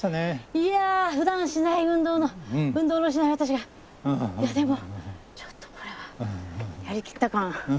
いやふだんしない運動のしない私がいやでもちょっとこれはやりきった感。